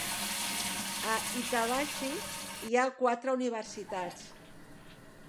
A Itabashi hi ha quatre universitats.